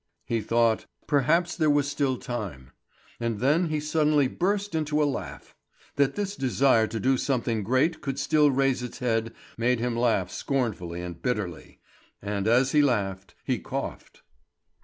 he thought; perhaps there was still time. And then he suddenly burst into a laugh. That this desire to do something great could still raise its head made him laugh scornfully and bitterly; and as he laughed he coughed.